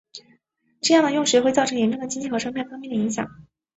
这样的用水会造成严重的经济和生态方面的影响。